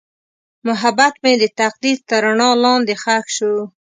محبت مې د تقدیر تر رڼا لاندې ښخ شو.